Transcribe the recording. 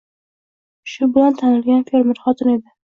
Shu bilan tanilgan fermer xotin edi.